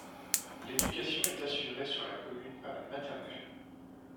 L'éducation est assurée sur la commune par une maternelle.